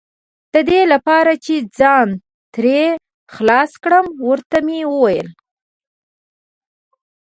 د دې لپاره چې ځان ترې خلاص کړم، ور ته مې وویل.